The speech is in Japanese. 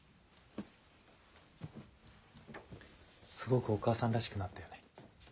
すごくお母さんらしくなったよね。